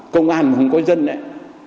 công an mà không có dân ấy